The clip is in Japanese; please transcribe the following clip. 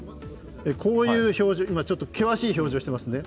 こういう表情、今ちょっと険しい表情をしていますね。